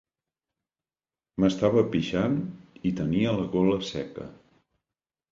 M'estava pixant i tenia la gola seca.